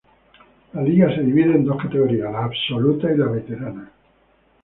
La liga se divide en dos categorías: la absoluta y la veterana.